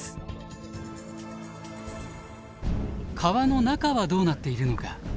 川の中はどうなっているのか。